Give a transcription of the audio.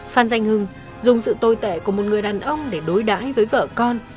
phan danh hưng dùng sự tồi tệ của một người đàn ông để đối đãi với vợ con